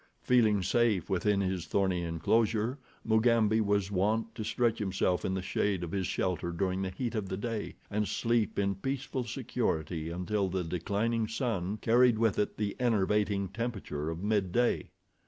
Feeling safe within his thorny enclosure, Mugambi was wont to stretch himself in the shade of his shelter during the heat of the day, and sleep in peaceful security until the declining sun carried with it the enervating temperature of midday.